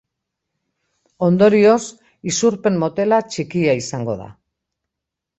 Ondorioz isurpen-motela txikia izango da.